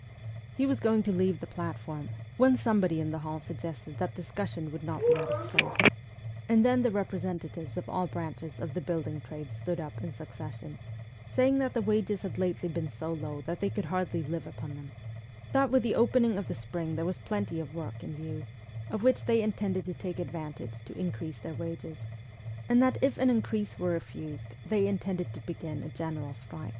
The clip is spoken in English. He was going to leave the platform, when somebody in the hall suggested that discussion would not be out of place ; and then the representatives of all branches of the building trades stood up in succession, saying that the wages had lately been so low that they could hardly live upon them ; that with the opening of the spring there was plenty of work in view, of which they intended to take advantage to increase their wages ; and that if an increase were refused they intended to begin a general strike.